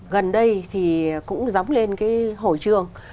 gần đây thì cũng giống lên cái hồi trường